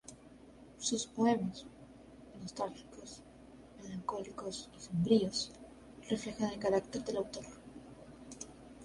Sus poemas, nostálgicos, melancólicos y sombríos, reflejan el carácter del autor.